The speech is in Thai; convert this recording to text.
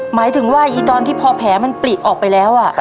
หมายถึงว่าตอนที่พอแผลมันปลิออกไปแล้ว